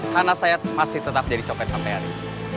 karena saya masih tetap jadi copet sampe hari